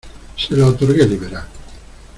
se la otorgué liberal.